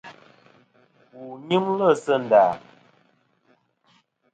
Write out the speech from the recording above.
Wu nyɨmlɨ sɨ nda ?